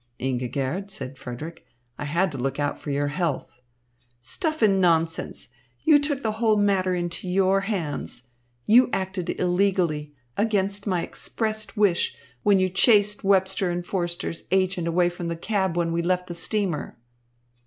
"Ingigerd," said Frederick, "I had to look out for your health." "Stuff and nonsense! You took the whole matter into your hands. You acted illegally, against my expressed wish, when you chased Webster and Forster's agent away from the cab when we left the steamer."